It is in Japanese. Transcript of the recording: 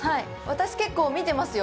私、結構見てますよ。